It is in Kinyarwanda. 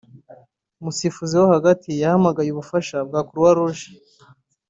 umusifuzi wo hagati yahamagaye ubufasha bwa Croix Rouge